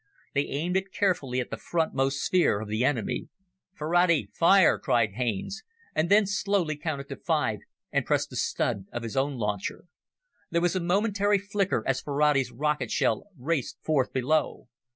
They aimed it carefully at the front most sphere of the enemy. "Ferrati, fire!" cried Haines, and then slowly counted to five and pressed the stud of his own launcher. There was a momentary flicker as Ferrati's rocket shell raced forth below.